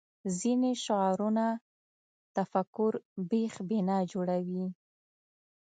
ځینې شعارونه تفکر بېخ بنا جوړوي